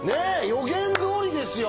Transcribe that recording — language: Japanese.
予言どおりですよ。